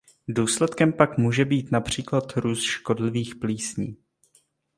Důsledkem pak může být například růst škodlivých plísní.